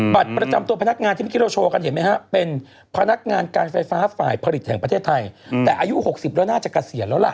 บัตรประจำตัวพนักงานที่เมื่อกี้เราโชว์กันเห็นไหมฮะเป็นพนักงานการไฟฟ้าฝ่ายผลิตแห่งประเทศไทยแต่อายุ๖๐แล้วน่าจะเกษียณแล้วล่ะ